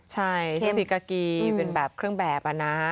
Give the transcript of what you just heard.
ใช่ที่ศรีกากีเป็นแบบเครื่องแบบนะ